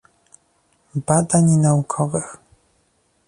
Badań Naukowych